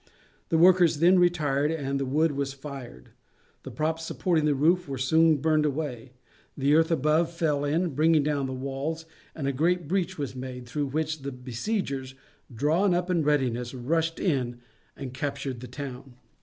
The workers then retired and the wood was fired, the props supporting the roof were soon burned away, the earth above fell in bringing down the walls, and a great breach was made, through which the besiegers, drawn up in readiness, rushed in and captured the town.